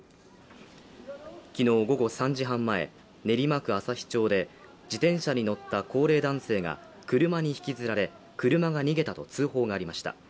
昨日午後３時半前、練馬区旭町で自転車に乗った高齢男性が車に引きずられ、車が逃げたと通報がありました。